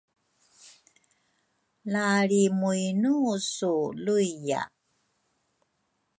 La lri mu inu su luiya?